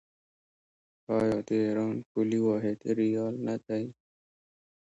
آیا د ایران پولي واحد ریال نه دی؟